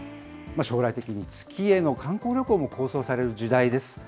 将来的に月への観光旅行も構想される時代です。